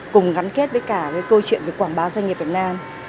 cùng gắn kết với cả cái câu chuyện về quảng bá doanh nghiệp việt nam